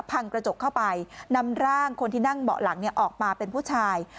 พังกระจกเข้าไปนำร่างคนที่นั่งเบาะหลังออกมาเป็นผู้ชาย